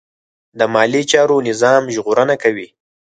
د مالي چارو نظم ژغورنه کوي.